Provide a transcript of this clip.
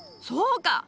そうか。